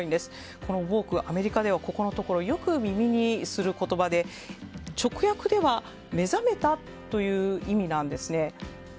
このＷＯＫＥ、アメリカでは最近よく耳にする言葉で直訳では目覚めたという意味なんです。